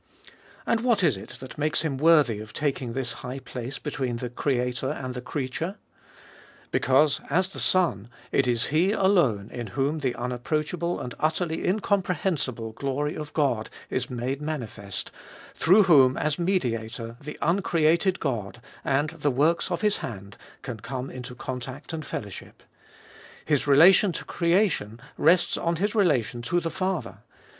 And what is it that makes Him worthy of taking this high place between the Creator and the creature ? Because, as the Son, it is He alone in whom the unapproachable and utterly incomprehensible glory of God is made manifest, through whom as Mediator the uncreated God, and the works of His hand, can come into contact and fellowship. His relation to creation rests on His relation to the Father.